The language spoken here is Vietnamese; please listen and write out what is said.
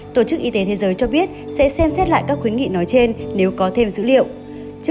tổ chức y tế thế giới cho biết sẽ xem xét lại các khuyến nghị nói trên nếu có thêm dữ liệu